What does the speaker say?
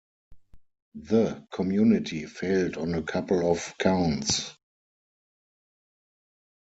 The community failed on a couple of counts.